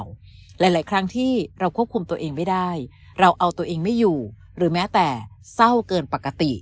หลายครั้งที่เราควบคุมตัวเองไม่ได้เราเอาตัวเองไม่อยู่หรือแม้แต่เศร้าเกินปกติ